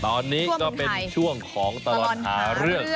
ตอนนี้ก็เป็นช่วงของตลอดหาเรื่อง